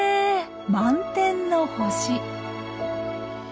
満天の星。